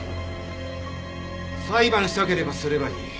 裁判したければすればいい。